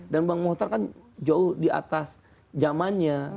dan bang mokhtar kan jauh di atas jamannya